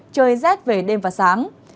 trời rét về đêm và sáng